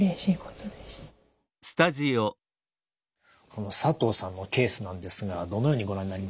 この佐藤さんのケースなんですがどのようにご覧になりますか。